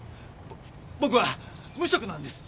ぼっ僕は無職なんです。